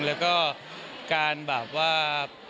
แล้วก็การแบบว่า